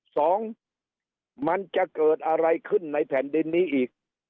สองมันจะเกิดอะไรขึ้นในแผ่นดินนี้อีก